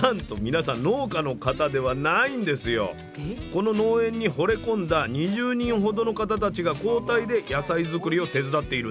この農園にほれ込んだ２０人ほどの方たちが交代で野菜作りを手伝っているんです。